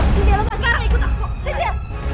sintia lu sekarang ikut aku sintia